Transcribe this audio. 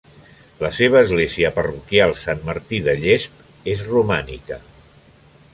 La seva església parroquial, Sant Martí de Llesp, és romànica.